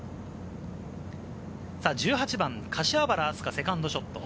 １８番、柏原明日架、セカンドショット。